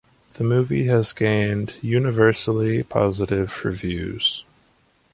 The movie has gained universally positive reviews.